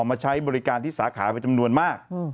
มาใช้บริการที่สาขาเป็นจำนวนมาก